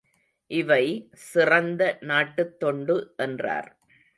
இவை, சிறந்த நாட்டுத் தொண்டு என்றார்.